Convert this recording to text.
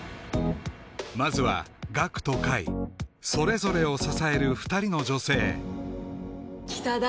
まずは岳と海それぞれを支える２人の女性北田